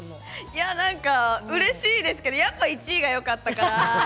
いや何かうれしいですけどやっぱ１位がよかったから。